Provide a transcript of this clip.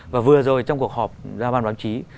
và vừa rồi trong cuộc họp ra ban báo chí